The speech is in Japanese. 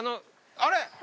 あれ？